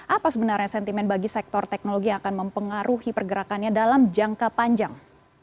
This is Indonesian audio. apa sebenarnya sentimen bagi sektor teknologi yang akan mempengaruhi pergerakannya dalam jangka panjang